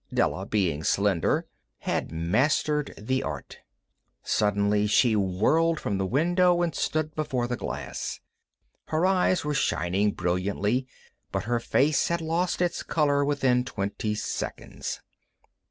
Della, being slender, had mastered the art. Suddenly she whirled from the window and stood before the glass. Her eyes were shining brilliantly, but her face had lost its color within twenty seconds.